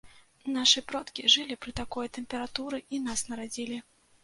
Нашы продкі жылі пры такой тэмпературы і нас нарадзілі.